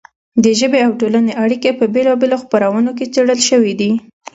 د ژبې او ټولنې اړیکې په بېلا بېلو خپرونو کې څېړل شوې دي.